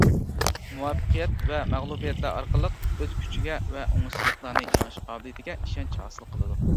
مۇۋەپپەقىيەت ۋە مەغلۇبىيەتلەر ئارقىلىق، ئۆز كۈچىگە ۋە ئوڭۇشسىزلىقلارنى يېڭىش قابىلىيىتىگە ئىشەنچ ھاسىل قىلىدۇ.